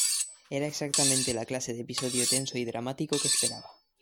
Era exactamente la clase de episodio tenso y dramático que esperaba".